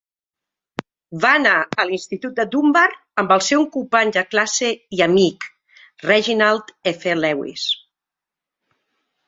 Va anar a l'institut de Dunbar amb el seu company de classe i amic Reginald F. Lewis.